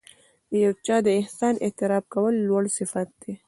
د یو چا د احسان اعتراف کول لوړ صفت دی.